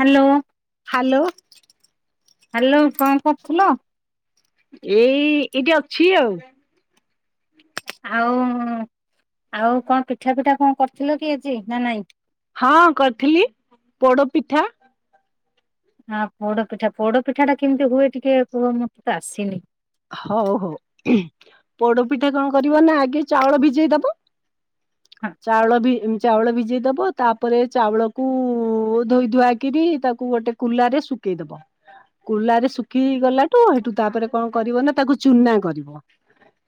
Hello hello. Hello କଣ କରୁଥିଲ? ଏଇ ଏଇଟି ଅଛି ଆଉ। ଆଉ ଆଉ କଣ ପିଠା ଫିଠା କଣ କରିଥିଲ କି ଆଜି ନା ନାଇଁ। ହଁ କରିଥିଲି ପୋଡପିଠା। ହଁ ପୋଡ ପିଠା ପୋଡ ପିଠା ଟା କେମିତି ହୁଏ ଟିକେ କୁହ ମତେ ତ ଆସିନି। ହଉ ହଉ ପୋଡପିଠା କଣ କରିବ ନା ଆଗେ ଚାଉଳ ଭିଜେଇ ଦବ ଚାଉଳ ବି ଚାଉଳ ଭିଜେଇଦବ ତାପରେ ଚାଉଳକୁ ଧୋଇ ଧୁଆକିରି ତାକୁ ଗୋଟେ କୁଲାରେ ଶୁ କେଇଦବ କୁଲାରେ ଶୁଖି ଗଲାଠୁ ସେଠୁ ତାପରେ କଣ? କରିବ ନା ତାକୁ ଚୁନା କରିବ।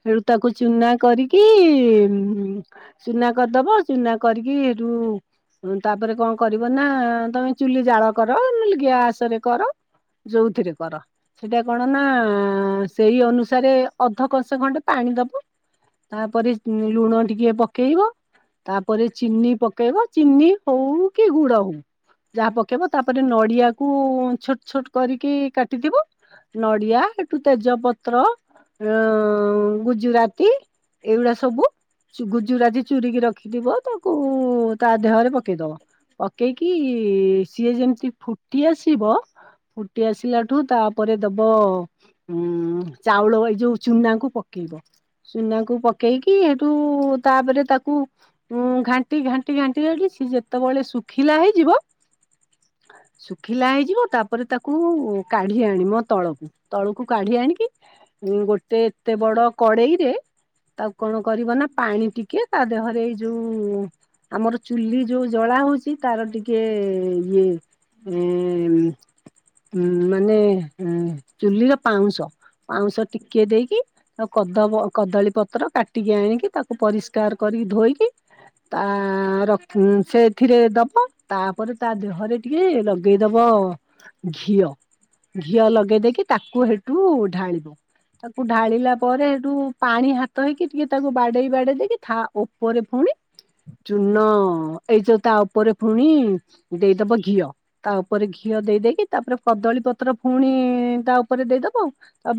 ହେଠୁ ତାକୁ ଚୁନା କରିକି ଚୁନା କରିଦବ ଚୁନା କରିକି ହୁଁ। ହ ତାପରେ କଣ କରିବ ନା ତମେ ଚୁଲି ଜାଳ କର ନହେଲେ ଗି୍ୟାସ ରେ କର ଯୋଉଥିରେ କର ସେଟା କଣ ନା ସେଇ ଅନୁସାରେ ଅଧକସ ଖଣ୍ଡେ ପାଣି ଦବ। ତାପରେ ଲୁଣ ଟିକେ ପକେଇବ। ତାପରେ ଚିନି ପକେଇବ ଚିନି ହଉ କି ଗୁଡ ହଉ। ଯାହା ପକେଇବ ତାପରେ ନଡିଆକୁ ଛୋଟ ଛୋଟ କରିକି କାଟିଥିବ। ନଡିଆ ହେଠୁ ତେଜପତ୍ର ଗୁଜୁରାତି ଏଇଗୁଡା ସବୁ। ଗୁଜୁରାଜି ଚୁରିିକି ରଖିଥିବ ତାକୁ ତା ଦେହରେ ପକେଇଦବ ପକେଇକି ସିଏ ଯେମିତି ଫୁଟି ଆସିବ ଫୁଟି ଆସିଲାଠୁ ତାପରେ ଦବ ଉୁଁ ଚାଉଳ ଏଇ ଯୋଉ ଚୁନାଙ୍କୁ ପକେଇବ ସୁନାକୁ ପକେଇକି ହେଠୁ ତାପରେ ତାକୁ ଘାଣ୍ଟି ଘାଣ୍ଟି ଘାଣ୍ଟିି ଘାଣ୍ଟି ଯେତେବେଳେ ଶୁଖିଲା ହେଇଯିବ ଶୁଖିଲା ହେଇଯିବ ତାପରେ ତାକୁ କାଢି ଆଣିବ ତଳକୁ ତଳକୁ କାଢି ଆଣିକି ଗୋଟେ ଏତେ ବଡ କଡେଇ ରେ ତାକୁ କଣ କରିବ ନା ପାଣି ଟିକେ ତା ଦେହରେ ଏଇ ଯୋଉ ଆମର ଚୁଲି ଯୋଉ ଜଳା ହଉଛି ତାର ଟିକେ ଇଏ ଏ ଉ ମାନେ ଚୁଲିର ପାଉଁଶ ପାଉଁଶ ଟିକେ ଦେଇକି ଆଉ କଦ କଦଳୀ ପତ୍ର କାଟିକି ଆଣିକି ତାକୁ ପରିଷ୍କାର କରି। ଧୋଇକି ତା ରଖି ସେଥିରେ ଦବ ତାପରେ ତା ଦେହରେ ଟିକେ ଲଗେଇଦବ ଘିଅ ଘିଅ ଲଗେଇ ଦେଇେଇକି ତାକୁ ହେଠୁ ଢାଳିବ ତାକୁ ଢାଳିଲା ପରେ ସେଠୁ ପାଣି ହାତ ହେଇକି ଟିକେ ତାକୁ ବାଡେଇ ବାଡେଇ ଦେଇକି ତା ଉପରେ ପୁଣି ହ ଚୂନ ଏଇ ଯୋଉ ତା ଉପରେ ପୁଣି ଦେଇଦବ ଘିଅ ତା ଉପରେ ଘିଅ କି ତା ଦେଇ ଦେଇକି କଦଳୀ ପତ୍ର ପୁଣି ତା ଉପରେ ଦେଇଦବ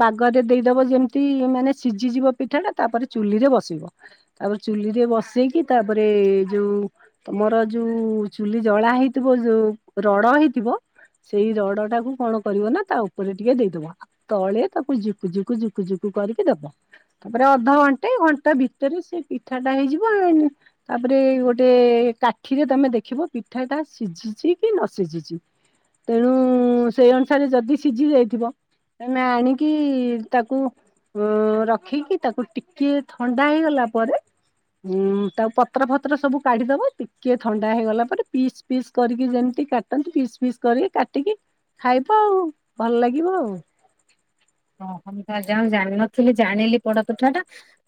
ବାଗରେ ଦେଇଦବ ଯେମିତି ମାନେ ସିଝିଯିବ ପିଠାଟା ତାପରେ ଚୁଲି ରେ ବସିବ ତାପରେ ଚୁଲି ରେ ବସେଇକି ତାପରେ ଯୋଉ ତମର ଯୋଉ ଚୁଲି ଜଳା ହେଇଥିବ। ଯୋଉ ରଡ ହେଇଥିବ ସେଇ ରଡ ଟାକୁ କଣ କରିବ ନା ତା ଉପରେ ଟିକେ ଦେଇଦବା। ତଳେ ତାକୁ ଝିକୁ ଝୁକୁ ଝୁକୁ ଝୁକୁ କରିକି ଦବା ତାପରେ ଅଧଘଣ୍ଟା ଏ ଘଣ୍ଟା ଭିତରେ ସେ ପିଠାଟା ହେଇଯିବ ତାପରେ ଗୋଟେ କାଠିରେ ତମେ ଦେଖିବ ପିଠାଟା ସିଝି ସିଝିଛି କି ନ ସିଝିଛି ତେଣୁ ସେଇ ଅନୁସାରେ ଯଦି ସିଝି ଯାଇଥିବ। ଆମେ ଆଣିକି ତାକୁ ଉ ରଖିକି ତାକୁ ଟିକି ଥଣ୍ଡା ହେଇଗଲା। [inaudible] ହୁଁ ତାଉ ପତ୍ର ଫତ୍ର ସବୁ କାଢିଦବ ଟିକେ ଥଣ୍ଡା ହେଇଗଲା ପରେ ପିସ୍ ପିସ୍ କରିକି ଯେମିତି କାଟନ୍ତି ପିସ୍ ପିସ୍ କରିକ କାଟିକି ଖାଇବ ଆଉ ଭଲ ଲାଗିବ ଆଉ ଓ ହ ତ ଯା ଜାନଥିଲି ଜାଣିଲି ପୋଡପିଠା ଟା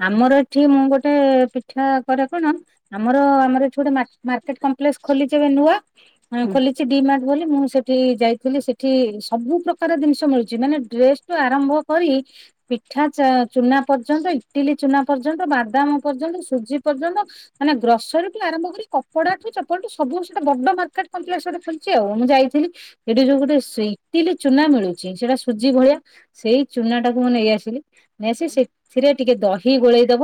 ଆମର ଏଠି ମୁଁ ଗୋଟେ ଇଛା କରେ କଣ ଆମର ଆମର ଏଠ ଗୋଟେ ମାର୍କେଟ କମ୍ପ୍ଲେକ୍ସ ଖୋଲିଛି ଏ ନୂଆ ହଁ ଖୋଲିଛି ଦି ମାସ ବୋଲି ମୁଁ ସେଠି ଯାଇଥିଲି ସେଠି ସବୁ ପ୍ରକାର ଜିନିଷ ମିଳୁଛି ମାନେ ଡ୍ରେସ ୁ ଆରମ୍ଭ କରି ପିଠା ଚ ଚୁନା ପର୍ଯ୍ୟନ୍ତ ଇଟିଲି ଚୁନା ପର୍ଯ୍ୟନ୍ତ ବାଦାମ ପର୍ଯ୍ୟନ୍ତ ସୁଜି ପର୍ଯ୍ୟନ୍ତ ମାନେ ଗ୍ରସରୀଠୁ ଆରମ୍ଭ କରି କପଡାଠୁ ଚପଲଠୁ ସବ ଗଟେ ବଡ ମାର୍କେଟ କପ୍ଲେକ୍ସ ଗୋଟେ ଖୋଲିଛି ଆଉ ମୁଁ ଯାଇଥିଲିଇଠି ଯୋଉ ଗୋଟେ ସି କି ଲି ଚୁନା ମିଳୁଛି। ସେଟା ସୁଜି ଭଳିଆ ସେଇ ଚୁନା ଟାକୁ ମୁଁ ନେଇ ଆସିଲି ନେଇ ଆସି ସେଥିରେ ଟିକେ ଦହି ଗୋଳେଇ ଦବ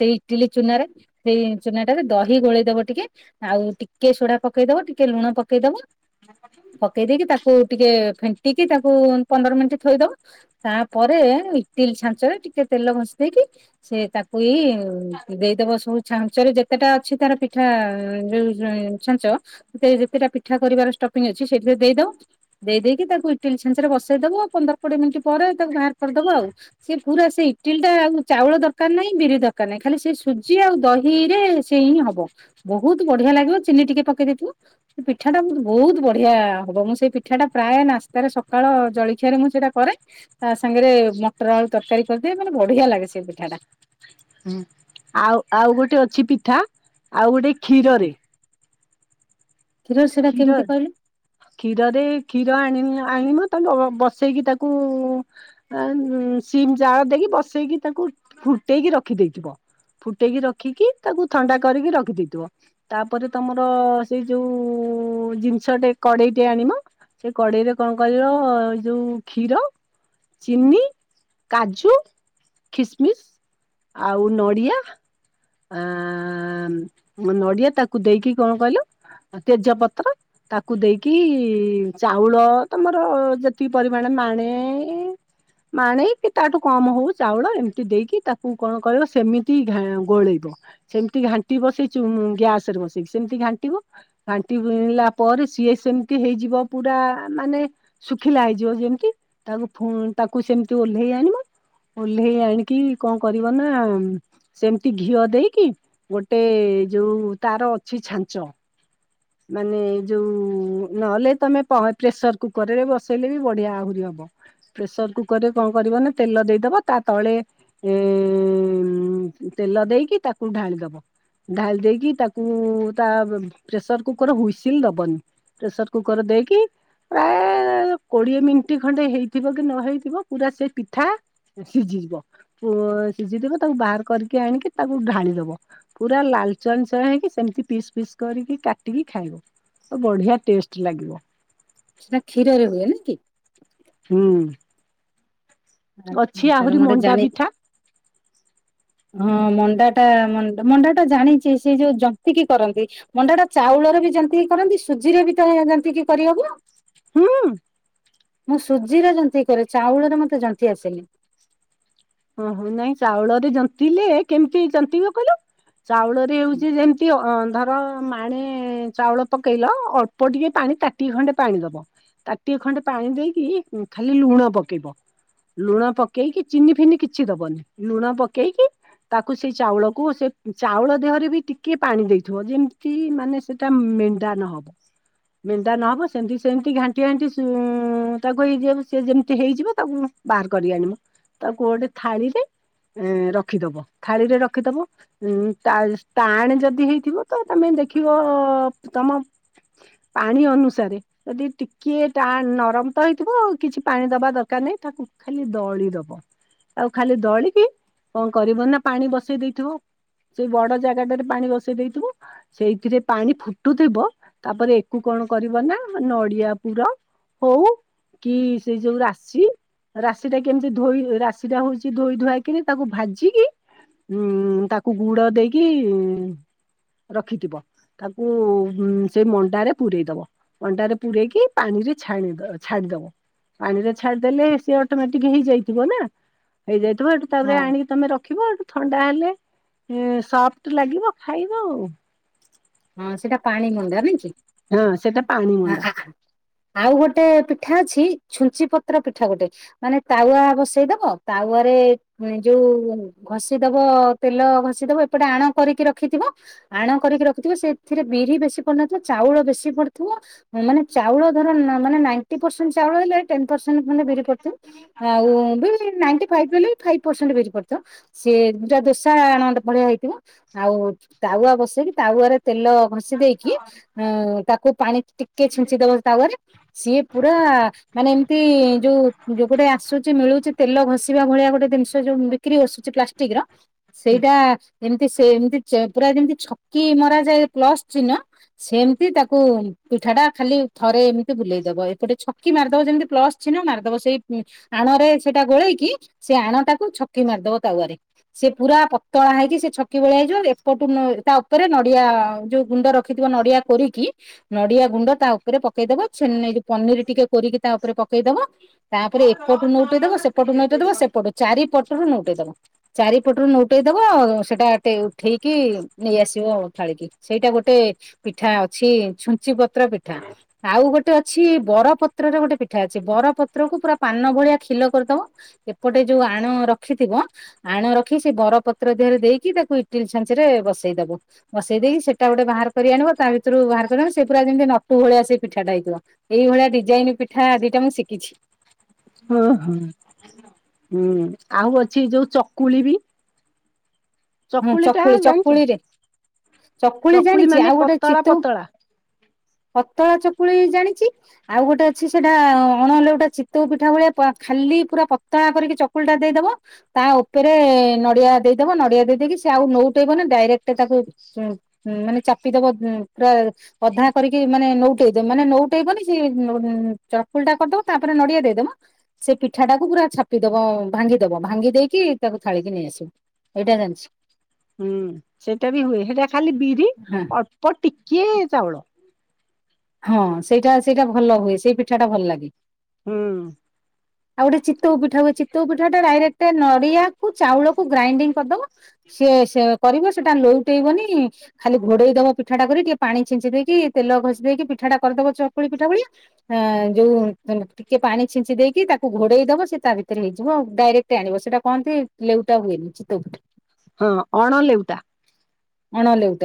ସେଇ ଇଟିଲି ଚୁନା ାରେ ସେଇ ଚୁନା ଟାରେ ଦହି ଗୋଳେଇ ଦବ ଟିକେ ଆଉ ଟିକେ ସୋଡା ପକେଇ ପକେଇଦବା ଟିକେ ଲୁଣ ପକେଇଦବା ପକେଇ ଦେଇେଇକି ତାକୁ ଟିକେ ଫେଣ୍ଟିକି ତାକୁ ପନ୍ଦର ମିନିଟ ଥୋଇଦଉ ତାପରେ ଇଟି ଲି ଛାଞ୍ଚରେ ଟିକେ ତେଲଘସି ଦେଇେଇକି ସେ ତାକୁ ଏଇ ଉଦେଇଦବ ସବୁ ଛାଞ୍ଚରେ ଯେତେଟା ଅଛି ତାର ପିଠା ଆ ଯୋଉ ଛାଞ୍ଚ ଯେତେଟା ପିଠା କରିବାର ଷ୍ଟପିଂ ଅଛି ସେଥିରେ ଦେଇଦବ ଦେଇେଇକି ତାକୁ ଇଟିଲି ଛାଞ୍ଚରେ ବସେଇ ଦବୁ ପନ୍ଦର କୋଡିଏ ମିନିଟ୍ ପରେ ତାକୁ ବାହାର କରିଦବ ଆଉ ସେି ପୁରା ସେଇ ଇଟିଲି ଟା ଆଉ ଚାଉଳ ଦରକାର ନାହିଁ ବିରି ଦରକାର ନାଇଁ ଖାଲି ସେ ସୁଜି ଆଉ ଦହି ରେ ସେ ହିଁ ହବ ବହୁତ ବଢିଆ ଲାଗିବ ଚିନି ଟିକେ ପକେଇଦେଥିବୁ ପିଠାଟା ବହୁତ ବଢିଆ ହବ ମୁଁ ସେଇ ପିଠାଟା ପ୍ରାୟନାସ୍ତାରେ ସକାଳ ଜଳି ପିଠରେ ମୁଁ ସେଇଟା କରେ ତା ସାଙ୍ଗରେ ମଟର ଆଳୁ ତରକାରୀ କରିଦିଏ ମାନେ ବଢିଆ ଲାଗେ ସେ ପିଠାଟା ହୁଁ ଆଉ ଆଉ ଗୋଟେ ଅଛି ପିଠା ଆଉ ଗୋଟେ କ୍ଷୀରରେ କ୍ଷୀର ସେଟା ଖୀ ର କେମିତି କହିଲୁ ଖୀର ରେ ଖୀର ଏଣି ନି ଆଣିବ ତାକୁ ବସେଇକି ତାକୁ ସିମ୍ ଜାଳ ଦେଇକି ବସେଇକି ତାକୁ ଫୁଟେଇକି ରଖିଦେଇଥିବ। ଫୁଟେଇକି ରଖିକି ତାକୁ ଥଣ୍ଡା କରିକି ରଖିଦେଇଥିବ ତାପରେ ତମର ସେଇ ଯୋଉ ଓଜିନିଷ ଟେ କଡେଇ ଟେ ଆଣିବ ସେ କଡେଇରେ କଣ କରିବ ଯୋଉ କ୍ଷୀର ଚିନି କାଜୁ ଖିସିମିସି ଆଉ ନଡ଼ିଆ ଆ ନଡିଆ ତାକୁ ଦେଇକି କଣ କହିଲୁ ତେଜପତ୍ର ତାକୁ ଦେଇକି ଚାଉଳ ତମର ଯେତିକି ପରିମାଣ ମାଣେ [unintelligible] ମାଣେଇକି ତାଠୁ କମ ହଉ ଚାଉଳ ଏମିତି ଦେଇକି ତାକୁ କଣ କରହିବ ସେମିତି ଗୋଳେଇବ। ସେମତି ଘାଣ୍ଟିବ ସେଇ ଗ୍ୟାସ ରେ ବସେଇିକି ସେମିତି ଘାଣ୍ଟିବ ଘାଣ୍ଟି କିିଣିଲା ପରେ ସିଏ ସେମିତି ହେଇଯିବ ପୁରା ମାନେ ଶୁଖିଲା ହେଇଯିବ ଯେମିତି ତାକୁ ଫ ତାକୁ ସେମିତି ଓହ୍ଲେଇ ଆାଣି ବ ଓହ୍ଲେଇ ଆଣିକି କଣ କରିବ ନା ସେମିତି ଘିଅ ଦେଇକି ଗୋଟେ ଏ ଯୋଉ ତାର ଅଛି ଛାଞ୍ଚ ମାନେ ଯୋଉ ନହେଲେ ତମପ ପ୍ରେସର କୁକରରେ ବସେଇଲେ ବି ବଢିଆ ଆହୁରିବ ପ୍ରେସର କୁକରରେ କଣ କରିବ ନା ତେଲ ଦେଇଦବ ତା ତଳେଏ ଏ ତେଲ ଦେଇକି ତାକୁ ଢାଳି ଦବ ଢାଳି ଦେଇକି ତାକୁ ତା ପ୍ରେସର କୁକର ହୁଇସିଲ ଦବନି ପ୍ରେସର କୁକର ଦେଇକି ପ୍ରାୟ କୋଡିଏ ମିନିଟ ଖଣ୍ଡେ ହେଇଥିବ କି ନ ହେଇଥିବ ପୁରା ସେ ପିଠା ସିଝିବ ସିଝି ତାକୁ ବାହାର କରି ଆଣି ତାକୁ ଢାଳି ଦଵ ଲାଲ ଚ [inaudible] ସମିତି ପିସ ପିସ କରିକି କାଟିକି ଖାଇବ। ସେ ବଢିଆ ଟେଷ୍ଟ ଲାଗିବ। ସେଟ କ୍ଷୀରେ ହୁଏ ନାକି। ହୁଁ। ଆ ଅଛି ତାହଲେ ଆହୁରି ମୁଁ ଗୋଟେ ମଣ୍ଡା ଜାଣି ପିଠା ହଁ ମଣ୍ଡା ଟା ମଣ୍ଡା ଟା ଜାଣିଛି ସେ ଯୋଉ ଜନ୍ତିକି କରନ୍ତି ମଣ୍ଡା ଟା ଚାଉଳରେ ବି ଯେମତିକି କରନ୍ତି ସୁଜିରେ ବି ତ ଯେମତିକି କରିହବ? ହୁଁ। ମୁଁ ସୁଜିର ଯନ୍ତି କରେ ଚାଉଳରେ ମତେ ଜନ୍ତି ଆସେନି। ଓହୋ ନାଇଁ ଚାଉଳରେ ଯନ୍ତିଲେ କେମିତି ଜନ୍ତିବ କହିଲେ ଚାଉଳରେ ହଉଛି ଯେମତି ଅ ଧର ମାଣେ ଚାଉଳ ପକେଇଲ ଅଳ୍ପ ଟିକେ ପାଣି ତାତି ଖଣ୍ଡେ ପାଣି ଦବ ତା ଖଣ୍ଡେ ପାଣି ଦେଇକି ଖାଲି ଲୁଣ ପକେଇବ ଲୁଣ ପକେଇକି ଚିନି ଫିନି କିଛି ଦବନି ଲୁଣ ପକେଇକି ତାକୁ ସେଇ ଚାଉଳକୁ ସେ ଚାଉଳ ଦେହରେ ବି ଟିକେ ପାଣି ଦେଇଥିବ ଯେମିତି ମାନେ ସେଟା ମେଣ୍ଟା ନ ହବ। ମେନ୍ଦା ନହବ ସେମିତି ସେମତି ଘାଣ୍ଟି ଘାଣ୍ଟି ତାକୁ ହେଇଯିଅ ସେ ଯେମିତି ହେଇଯିବ ତାକୁ ବାହାର କରିକି ଆଣିବୁ ତା କୁ ଗୋଟେ ଥାଳିରେ ଏ ରଖିଦବ ଥାଳିରେ ରଖିଦବ ଉ ତାଣେ ଯଦି ହେଇଥିବ ତମେ ଦେଖିବ ତମ ପାଣି ଅନୁସାରେ ଯଦି ଟିକେ ଟ ନରମ ତ ହେଇଥିବ ଆ କିଛି ପାଣି ଦବା ଦରକାର ନାଇ ତାକୁ ଖାଲି ଦଳି ଦବ ଆଉ ଖାଲି ଦଳିକି କଣ କରିବ ନା ପାଣି ବସେଇ ଦେଇଥିବ ସେଇ ବଡ ଜାଗାଟରେ ପାଣି ବସେଇ ଦେଇଥିବୁ ସେଇଥିରେ ପାଣି ଫୁଟୁଥିବ ତାପରେ ଏକୁ କଣ କରିବ ନା ନଡିଆ ପୁର ହଉ କି ସେଇ ଯୋଉ ରାଶି ରାଶି ଟା କେମତି ଧୋଇ ରା ସେଟା ହଉଛି ଧୋଇ ଧୁଆଇକରି ତାକୁ ଭାଜିକି ହୁଁ ତାକୁ ଗୁଡ ଦେଇକି ରଖିଥିବ ତାକୁ ସେଇ ମଣ୍ଡାରେ ପୁରରେଇ ଦବ ମଣ୍ଡାରେ ପୁରରେକି ପାଣି ପା ଛାଣି ଛାଡିଦବ ପାଣି ରେ ଛାଡିଦେଲେ ସେ ଅଟୋମେଟିକ୍ ହେଇଯାଇଥିବ ନା। ହେଇଯାଇଥିବ ଏଠୁ ହଁ ତାପରେ ଆଣିକି ତମେ ରଖିବ ଏଠୁ ଥଣ୍ଡା ତାହେଲେ ଏଁ ସଫ୍ଟ ଲାଗିବ ଖାଇବା ଆଉ। ହଁ ସେଟା ପାଣି ମୁଣ୍ଡା ନାଇଁ କି ହଁ ସେଟା ପାଣି ମଣ୍ଡା। ହଁ। ଆଉ ଗୋଟେ ପିଠା ଅଛି ଛୁଞ୍ଚି ପତ୍ର ପିଠା ଗୋଟେ ମାନେ ତାୱା ବସେଇଦବ ତାୱରେ ଦେଇ ଯୋଉ ଘଷିଦବ ତେଲ ଘଷିଦବ ଏପଟେ ଆଣ କରିକି ରଖିଥିବ। ଆଣ କରିକି ରଖି। ସେଥିରେ ବିରି ବେଶୀ ପଡିନଥିବ ଚାଉଳ ବେଶୀ ପଡିଥିବ ମାନେ ଚାଉଳ ଧର ମାନେ ନାଇଣ୍ଟି - [unintelligible] ପର୍ସେଣ୍ଟ ଖଣ୍ଡେ ବିରି ପଡିଥିବ ଆଉ ବି ନାଇଣ୍ଟି ଫାଇଭ କହିଲେ ପାଇଭ୍ ପରସେଣ୍ଟ ବିରି ପଡିଥିବ। ସିଏ ଦଟା ଦୋସା ଆଣ ଭଳିଆ ହେଇଥିବ ଆଉ ତାୱା ବସେଇକି। ତାୱାରେ ତେଲ ଘଷି ଦେଇକି ତାକୁ ପାଣି ଟିକେ ଛିଞ୍ଚି ଦବ ତାୱାରେ ସିଏ। ପୁରା ମାନେ ଏମିତି ଯୋଉ ଯୋଉ ଗୋଟେ ଆସୁଛି ମିଳୁଛି ତେଲ ଘଷିବା ଭଳିଆ ଗୋଟେ ଜିନିଷ। ଯଉ ବିକ୍ରି ହେଉଛି ପ୍ଲାଷ୍ଟିକର ସେଇଟା ଏମତି ସେମତି ପୁରା ଯେମତି ଛ - କି ମରା ଯାଏ ପ୍ଲସ୍ ଚିହ୍ନ ସେମିତି ତାକୁ ପିଠା ଟା ଖାଲି ଥରେ ଏମିତି ବୁଲେଇ- ଏପଟେ ଛକି ମାରିଦେବ ଯେମିତି ପ୍ଲସ ଚିହ୍ନ ମାରିଦେବ ସେଇ ଆଣରେ ସେଟା ଗୋଳେଇ କି ସେ ଆଣ। ତାକୁ ଛକି ମାରିଦବ ତାୱାରେ ସେ ପୁରା ପତଳା ହେଇକି ସେ ଛକି ଭଳିଆ ହେଇଯିବ ଏପଟୁ ନ ତା- ଉପରେ ନଡିଆ ଯୋଉ ଗୁଣ୍ଡ ରଖିଥିବ ନଡିଆ କୋରିକି ନଡିଆ ଗୁଣ୍ଡ ତା ଉପରେ ପକେଇଦବ ଛେନେ- ପନିର ଟିକେ କୋରିକି ତା ଉପରେ ପକେଇଦବ। ତାପରେ ଏପଟୁ ନଉଟେଇ ଦବ ସେପଟୁ ନଇଟେଇ ଦବ ସେପଟୁ ଚାରିପଟ- ନଉଟେଇ ଦବ ଚାରିପଟରୁ ନଉଟେଇ ଦବା ଆ ସେଟା ଉଠେଇକି ନେଇ ଆସ- ଯିବ ଥାଳି କି ସେଇଟା ଗୋଟେ ପିଠା ଅଛି ଛୁଞ୍ଚି ପତ୍ର ପିଠା ଆଉ ଗୋଟେ- ଗୋଟେ ଅଛି ବରପତ୍ରରେ ଗୋଟେ ପିଠା ଅଛି ବର ପତ୍ର କୁ ପୁରା ପାନ ଭଳିଆ ଖିଲ କରିଦବ ଏପଟେ- ଯୋଉ ଆଣ ରଖିଥିବ ଆଣ ରଖି ସେ ବରପତ୍ର ଦେହରେ ଦେଇକି ତାକୁ ଇଟିଲ ଛାଞ୍ଚିରେ ବସେଇଦବ। ବସେଇ ଦେଇକି ସେଇଟା ଗୋଟେ ବାହାର କରି ଆଣିବ ତା ଭିତରୁ ବାହାର କରି ସେ ପୁରା ଯେମିତି ନଟୁ ଭଳିଆ ସେଇ ପିଠାଟା ହେଇଥିବ। ଏଇଭଳିଆ ଡିଜାଇନ ପିଠା ଆ ଦିଟା ମୁଁ ଶିଖିଛି। ହଁ ହୋଁ ହୁଁ ଆଉ ଅଛି ଯୋଉ ଚକୁଳି ବି। ହଁ ଟା ଚକୁଳି ଜାଣିଛ? ଚକୁଳି ରେ। ଚକୁଳି ଜାଣିଛି। ମାନେ ଆଉ ଗୋଟେ ପତଳା ଚିତୋଉ ପତଳା ପତଳା ଚକୁ ଚକୁଳି ଜାଣିଛି। ଆଉ ଗୋଟେ ଅଛି ସେଟା ଅଣଲେଉଟା ଚିତଉ ପିଠା ଭଳିଆ ଖାଲି ପୁରା ପତ- ତଳା କରିକି ଚକୁଳି ଟା ଦେଇଦବ। ତା ଉପରେ ନଡିଆ ଦେଇଦବ। ନଡ଼ିଆ ଦେଇ ଦେଇକି ସେ ଆଉ ନୋଉଟେଇବନି। ଡାଇରେକ୍ଟ ତାକୁ ଉଁ ହୁଁ ମାନେ ଚାପିଦବ। ଉଁ ପୁରା ଅଧା କରି କରିକି ମାନେ ନଉଟେଦେ ମାନେ ନଉଟେଇବନି। ସେ ଉଁ ଚକୁଳି ଟା କରିଦବ। ତାପରେ ନଡିଆ ଦେଇଦବ। ସେ ପିଠାଟାକୁ ପୁରା ଛାପିଦବ। ଭାଙ୍ଗି ଦବ ଭାଙ୍ଗି ଦେଇକି ତାକୁ ଥାଳିିକି ନେଇଆସିବ। ଏଇଟା ଜାଣିଛି। ହୁଁ ସେଇଟା ବି ହୁଏ। ସେଇଟା ଖାଲି ବିରି ହଁ ଅଳ୍ପ ଟିକିଏ ଚାଉଳ। ହଁ ସେଇଟା ସେଇଟା ଭଲ ହୁଏ। ସେଇ ପିଠା ଟା ଭଲ ଲାଗେ। ହୁଁ। ଆଉଗୋଟେ ଚିତ ତଉ ପିଠା ହୁଏ, ଚିତଉ ପିଠା ଟା ଡାଇରେକ୍ଟ ନଡ଼ିଆକୁ ଚାଉଳକୁ ଗ୍ରାଇଣ୍ଡିଙ୍ଗ କରିଦବ। ସିଏ ସେ କରିବ ସେଟା ଲୋଉଟେଇବନି। ଖାଲି ଘୋଡେଇ ଦବ ପିଠାଟା କରି ଟିକେ ପାଣି ଛିଞ୍ଚି ଦେଇକି ତେଲ ଘଷି ଦେଇକି ପିଠା ଟା କରିଦବ ଚକୁଳି ପିଠା ଭଳିଆ। ଆଁ ଯୋଉ ଟିକେ ପାଣି ଛିଞ୍ଚି ଦେଇକି ତାକୁ ଘୋଡେଇ ଦବ ତା ଭିତରେ ହେଇଯିବ ଆଉ ଡାଇରେକ୍ଟ ଆଣିବ। ସେଇଟା କହନ୍ତି ଲେଉଟା ହୁଏନି ଚିତୋଉ ପିଠା। ହଁ ଅଣ ଲେଉଟା। ଅଣ ଲେଉ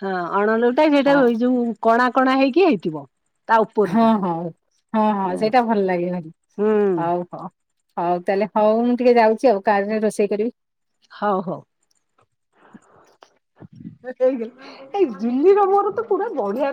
ହଁ ଅଣଲଉଟା ସେଟା ଏଇ ଯୋଉ କଣା କଣା ହେଇକି ହେଇଥିବ। ତା ହଁ ଉପରଟା ହଁ ହଁ ହଁ ସେଇଟା ଭଲ ଲାଗେ ଭାରି ହୁଁ ହଉ ହଉ। ହଉ ତାହେଲେ ହଉ ମୁଁ ଟିକେ ଯାଉଛି ଆଉ ତା ଦେହରେ ରୋଷେଇ କରିବି। ହଉ ହଉ। ଏଇ ଜୁିଲିର ମୋର ତ ପୁରା ବଢିଆ